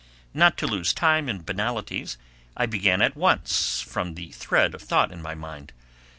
Not to lose time in banalities I began at once from the thread of thought in my mind.